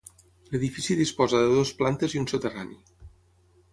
L'edifici disposa de dues plantes i un soterrani.